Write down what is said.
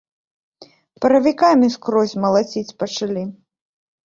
Паравікамі скрозь малаціць пачалі.